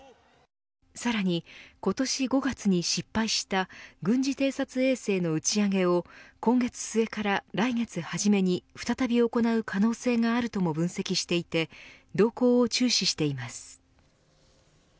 さらに、今年５月に失敗した軍事偵察衛星の打ち上げを今月末から来月初めに再び行う可能性があるとも分析していて動向を注視しています。